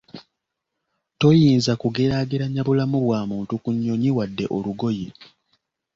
Toyinza kugeraageranya bulamu bwa muntu ku nnyonyi wadde olugoye.